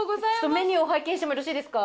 メニューを拝見してもよろしいですか？